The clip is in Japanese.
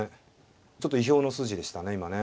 ちょっと意表の筋でしたね今ね。